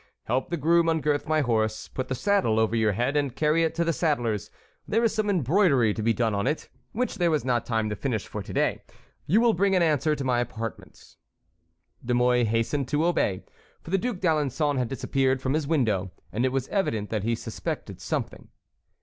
Help the groom ungirth my horse. Put the saddle over your head and carry it to the saddler's; there is some embroidery to be done on it, which there was not time to finish for to day. You will bring an answer to my apartments." De Mouy hastened to obey, for the Duc d'Alençon had disappeared from his window, and it was evident that he suspected something.